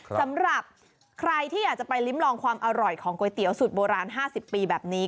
สำหรับใครที่อยากจะไปลิ้มลองความอร่อยของก๋วยเตี๋ยวสูตรโบราณ๕๐ปีแบบนี้